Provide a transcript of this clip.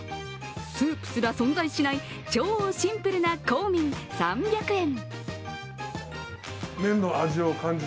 スープすら存在しない、超シンプルな光麺３００円。